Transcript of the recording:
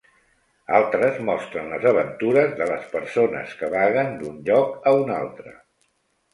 Altres mostren les aventures de les persones que vaguen d'un lloc a un altre.